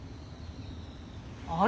あれ？